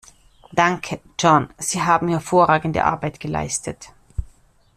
Danke, John, Sie haben hervorragende Arbeit geleistet.